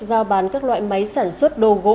giao bán các loại máy sản xuất đồ gỗ